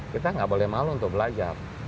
kita nggak boleh malu untuk belajar